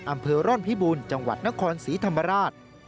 อำเภอร่อนพิบูรณ์จังหวัดนครศรีธรรมราช